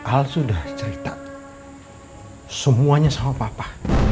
al sudah cerita semuanya sama papa